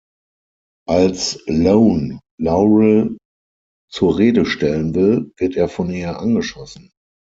Als Lone Laurel zur Rede stellen will, wird er von ihr angeschossen.